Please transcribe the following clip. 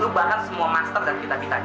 lu bakal semua master dan kita kita